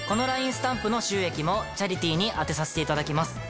スタンプの収益もチャリティーに充てさせていただきます。